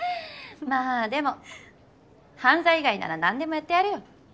まあでも犯罪以外ならなんでもやってやるよ。